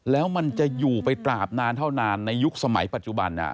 แล้วมันจะอยู่ไปตราบนานเท่านานในยุคสมัยปัจจุบัน